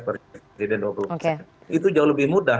presiden dua ribu dua puluh itu jauh lebih mudah